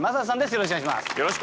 よろしくお願いします。